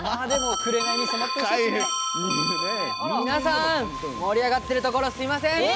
皆さん盛り上がってるところすみません。